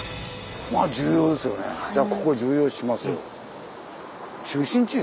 じゃあここ重要視しますよ。